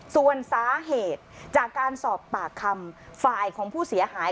ส่วนสาเหตุจากการสอบปากคำฝ่ายของผู้เสียหาย